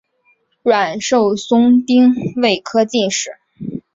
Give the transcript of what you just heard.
阮寿松丁未科进士。